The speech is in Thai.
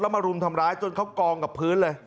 มารุมทำร้ายจนเขากองกับพื้นเลย